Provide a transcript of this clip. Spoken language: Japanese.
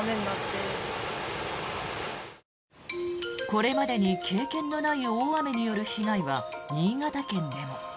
これまでに経験のない大雨による被害は新潟県でも。